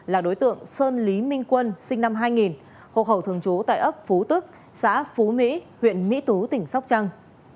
là đối tượng sơn lý minh quân sinh năm hai nghìn hộ khẩu thường trú tại ấp phú tức xã phú mỹ huyện mỹ tú tỉnh sóc trăng